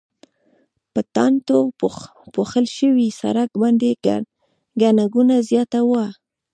په ټانټو پوښل شوي سړک باندې ګڼه ګوڼه زیاته وه.